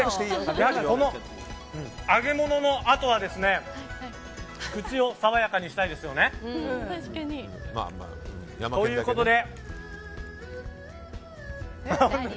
揚げ物のあとは口を爽やかにしたいですよね。ということで。